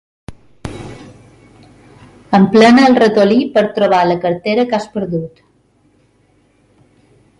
Emplena el ratolí per trobar la cartera que has perdut.